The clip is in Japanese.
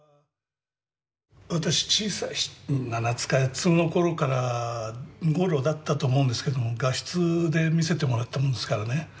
私小さい７つか８つの頃だったと思うんですけども画室で見せてもらったものですからね。